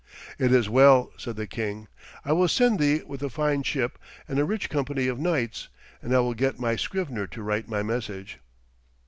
'It is well,' said the king. 'I will send thee with a fine ship, and a rich company of knights, and I will get my scrivener to write my message.'